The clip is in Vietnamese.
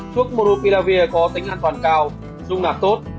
thuốc monopilavir có tính an toàn cao dung nạp tốt